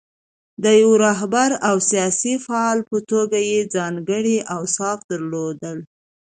د یوه رهبر او سیاسي فعال په توګه یې ځانګړي اوصاف درلودل.